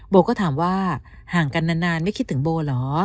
โบก็ถามว่าห่างกันนานไม่คิดถึงโบเหรอ